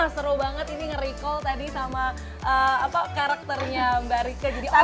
seru banget ini nge recall tadi sama apa karakternya mbak rika jadi